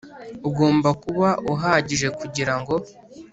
Ugomba kuba uhagije kugira ngo